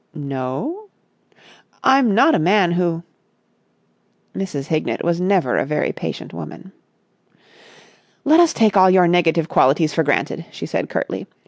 "No?" "I'm not a man who...." Mrs. Hignett was never a very patient woman. "Let us take all your negative qualities for granted," she said curtly.